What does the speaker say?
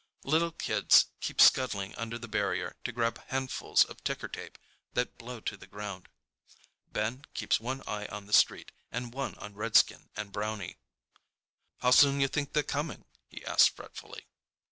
Little kids keep scuttling under the barrier to grab handfuls of ticker tape that blow to the ground. Ben keeps one eye on the street and one on Redskin and Brownie. "How soon you think they're coming?" he asks fretfully.